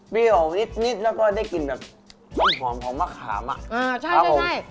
เปรี้ยวนิดนิดแล้วก็ได้กลิ่นแบบความหอมของมะขามอ่ะอ่าใช่ใช่ใช่